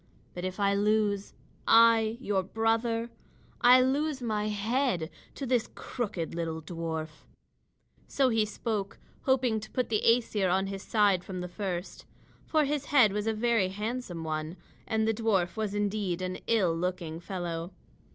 But if I lose, I, your brother, I lose my head to this crooked little dwarf." So he spoke, hoping to put the Æsir on his side from the first. For his head was a very handsome one, and the dwarf was indeed an ill looking fellow.